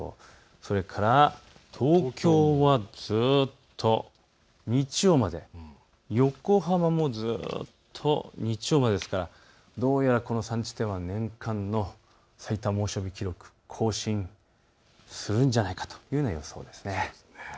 それから東京は日曜日まで、横浜も日曜日までですからどうやらこの３地点は年間の最多猛暑日記録、更新するんじゃないかという予想です。